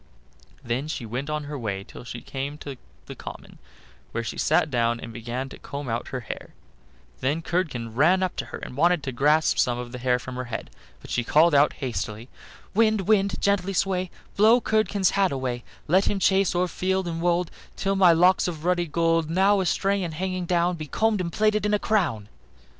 Then she went on her way till she came to the common, where she sat down and began to comb out her hair; then Curdken ran up to her and wanted to grasp some of the hair from her head, but she called out hastily: "Wind, wind, gently sway, Blow Curdken's hat away; Let him chase o'er field and wold Till my locks of ruddy gold, Now astray and hanging down, Be combed and plaited in a crown."